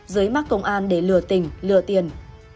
dưới mắt công an để lừa tình lừa tiền